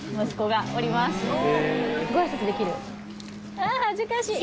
ああ恥ずかしい。